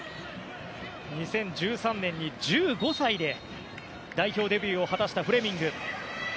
２０１３年に１５歳で代表デビューを果たしたフレミング。